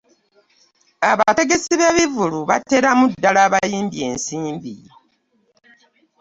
abategesi b'ebivvulu bateeramu ddala abayimbi ensimbi